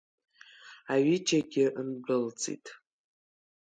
Аҩыџьагьы ндәылҵит.